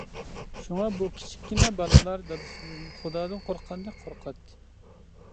شۇڭا بۇ كىچىككىنە بالىلار دادىسىدىن خۇدادىن قورققاندەك قورقاتتى.